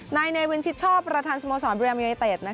นายนายวินชิดชอบประธานสมสรรค์บริยามเยเตศ